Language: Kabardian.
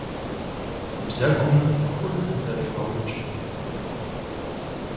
Бзэгум цӀыхур зэрегъэукӀ.